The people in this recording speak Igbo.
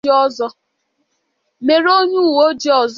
merụọ onye uwe ojii ọzọ